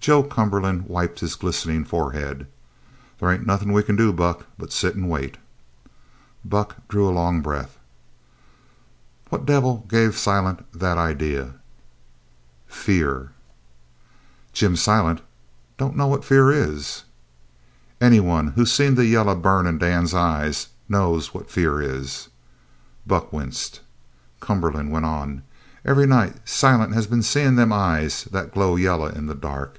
Joe Cumberland wiped his glistening forehead. "There ain't nothin' we c'n do, Buck, but sit an' wait." Buck drew a long breath. "What devil gave Silent that idea?" "Fear!" "Jim Silent don't know what fear is!" "Any one who's seen the yaller burn in Dan's eyes knows what fear is." Buck winced. Cumberland went on: "Every night Silent has been seein' them eyes that glow yaller in the dark.